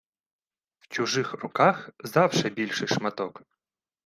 В чужих руках завше більший шматок.